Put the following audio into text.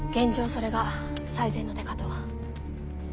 それが最善の手かと。